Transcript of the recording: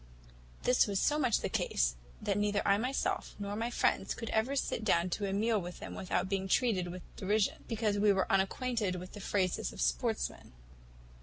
This was so much the case, that neither I myself, nor my friends, could ever sit down to a meal with them without being treated with derision, because we were unacquainted with the phrases of sportsmen.